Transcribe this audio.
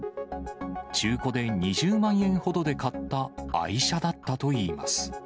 中古で２０万円ほどで買った愛車だったといいます。